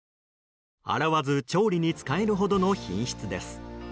洗わず、調理に使えるほどの品質です。